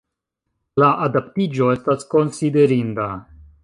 La adaptiĝo estas konsiderinda.